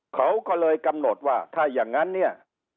เขาก็เลยกำหนดว่าถ้าอย่างนั้นเนี่ย